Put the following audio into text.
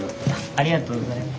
ありがとうございます。